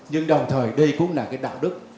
nhưng đồng thời đây cũng là đạo đức